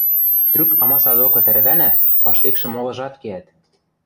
Трӱк амаса докы тӓрвӓнӓ, паштекшӹ молыжат кеӓт.